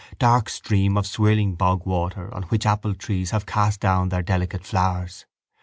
Dark stream of swirling bogwater on which appletrees have cast down their delicate flowers.